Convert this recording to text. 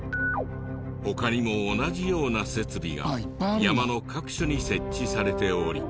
他にも同じような設備が山の各所に設置されており。